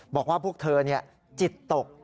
บอกว่าพวกเธอจิตตก